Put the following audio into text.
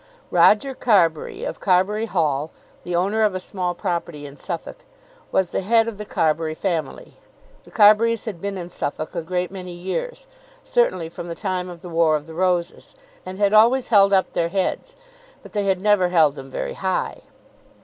Roger Carbury, of Carbury Hall, the owner of a small property in Suffolk, was the head of the Carbury family. The Carburys had been in Suffolk a great many years, certainly from the time of the War of the Roses, and had always held up their heads. But they had never held them very high.